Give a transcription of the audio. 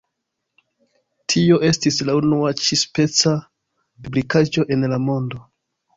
Tio estis la unua ĉi-speca publikaĵo en la mondo.